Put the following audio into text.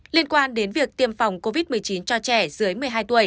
liên quan đến việc tiêm phòng covid một mươi chín cho trẻ dưới một mươi hai tuổi